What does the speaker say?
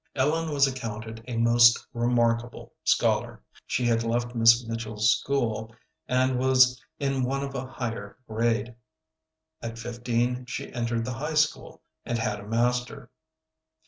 Ellen was accounted a most remarkable scholar. She had left Miss Mitchell's school, and was in one of a higher grade. At fifteen she entered the high school and had a master.